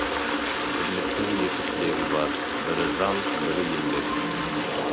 Тірліктің екі тірегі бар: бірі — жан, бірі — еңбек.